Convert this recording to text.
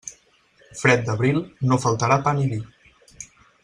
Fred d'Abril, no faltarà pa ni vi.